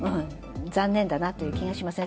残念だなという気がします。